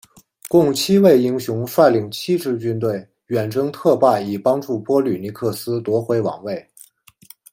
共七位英雄率领七支军队远征忒拜以帮助波吕尼克斯夺回王位。